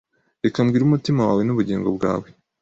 Reka mbwire umutima wawe n'ubugingo bwawe!